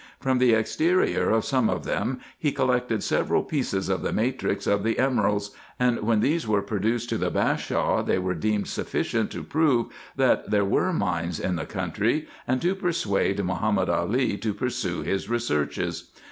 From the exterior of some of them he collected several pieces of the matrix of the emeralds ; and when these were produced to the Bashaw, they were deemed sufficient to prove, that there were mines in the country, and to persuade Ma homed Ali to pursue his researches.